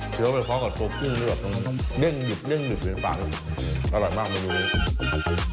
เฉลียวไปพร้อมกับโซเฟ่งด้วยเรี่ยงหยิบมันอร่อยมากมาดู